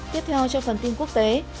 tiếp theo trong phần tin quốc tế